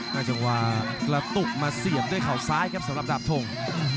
จังหวะกระตุกมาเสียบด้วยเขาซ้ายครับสำหรับดาบทง